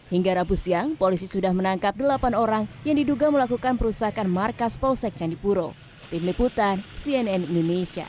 hingga rabu siang polisi sudah menangkap delapan orang yang diduga melakukan perusahaan markas polsek candipuro